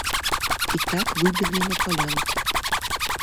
І так выбеглі па палянку.